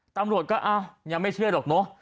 ตำรวจก็อ้าวยังไม่เชื่อหรอกเนอะ